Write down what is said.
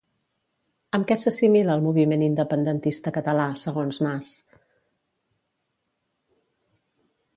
Amb què s'assimila el moviment independentista català, segons Mas?